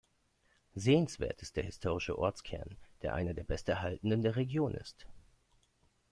Sehenswert ist der historische Ortskern, der einer der besterhaltenen der Region ist.